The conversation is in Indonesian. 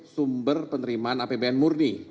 sumber penerimaan apbn murni